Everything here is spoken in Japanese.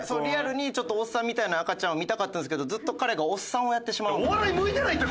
リアルにおっさんみたいな赤ちゃんを見たかったんですけどずっと彼がおっさんをやってしまう。